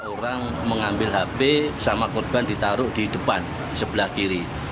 orang mengambil hp sama korban ditaruh di depan sebelah kiri